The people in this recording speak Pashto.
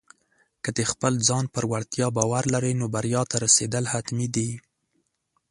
که د خپل ځان پر وړتیا باور لرې، نو بریا ته رسېدل حتمي دي.